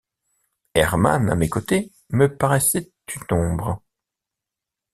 Hermann à mes côtés me paraissait une ombre.